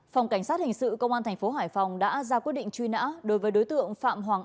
phòng cảnh sát hình sự công an thành phố hải phòng đã ra quyết định truy nã đối với đối tượng phạm hoàng